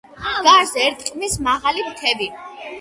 გარს ერტყმის მაღალი მთები.